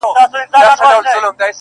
په نړۍ کي زموږ د توري شور ماشور وو؛